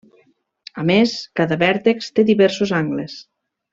A més, cada vèrtex té diversos angles.